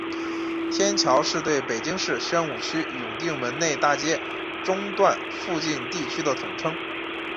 天桥是对北京市宣武区永定门内大街中段附近地区的统称。